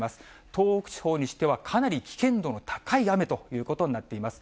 東北地方にしては、かなり危険度の高い雨ということになっています。